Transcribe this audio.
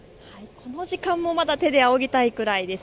この時間もまだ手であおぎたいくらいです。